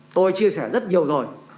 tôi chia sẻ rất nhiều rồi